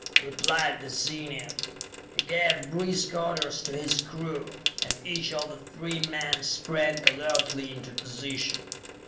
replied the Zenian. He gave brisk orders to his crew, and each of the three men sprang alertly into position.